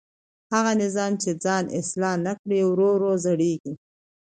هغه نظام چې ځان اصلاح نه کړي ورو ورو زړېږي